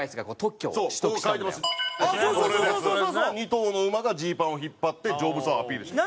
２頭の馬がジーパンを引っ張って丈夫さをアピールして。